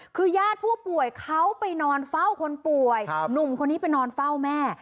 คือญาติผู้ป่วยเขาไปนอนเฝ้าคนป่วยหนุ่มคนนี้ไปนอนเฝ้าแม่